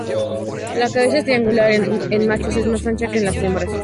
La cabeza es triangular, en machos es más ancha que en las hembras.